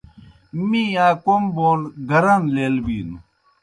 می آ کوْم بون گران لیل بِینوْ۔